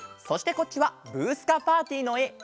そしてこっちは「ブー！スカ・パーティー」のえ。